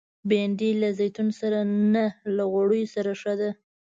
بېنډۍ له زیتونو سره نه، له غوړیو سره ښه ده